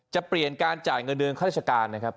จะเปลี่ยนการจ่ายเงินเดือนข้าราชการนะครับ